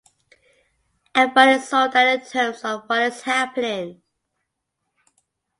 Everybody sold out in terms of what is happening.